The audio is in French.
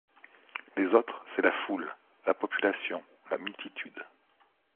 Les autres c’est la foule, la population, la multitude.